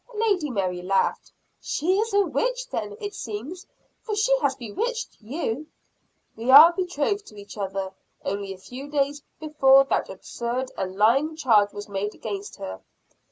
Lady Mary laughed. "She is a witch then, it seems; for she has bewitched you." "We were betrothed to each other only a few days before that absurd and lying charge was made against her."